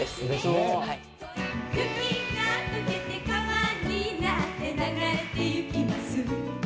「雪が溶けて川になって流れて行きます」